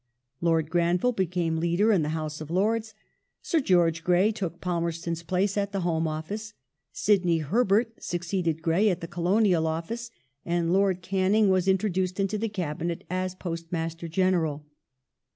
Lord Granville became leader in the House of Lords, Sir George Grey took Palmerston's place at the Home Office ; Sidney Herbert succeeded Grey at the Colonial Office, and Lord Canning was intro duced into the Cabinet as Postmaster General.